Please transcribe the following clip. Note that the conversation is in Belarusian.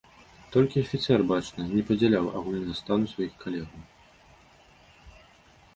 Толькі афіцэр, бачна, не падзяляў агульнага стану сваіх калегаў.